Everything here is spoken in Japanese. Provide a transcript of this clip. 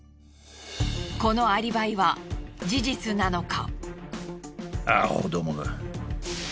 このアリバイは事実なのか？